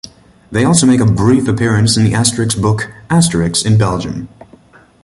They also make a brief appearance in the Asterix book "Asterix in Belgium".